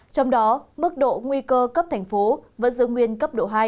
trong đó mức độ nguy cơ cấp thành phố vẫn giữ nguyên cấp độ hai